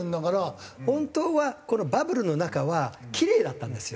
本当はこのバブルの中はキレイだったんですよ